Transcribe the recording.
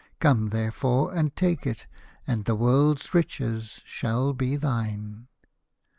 Come therefore and take it, and the world's riches shall be thine."